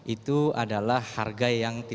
itu adalah harga yang